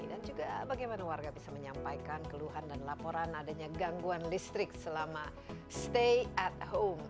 dan juga bagaimana warga bisa menyampaikan keluhan dan laporan adanya gangguan listrik selama stay at home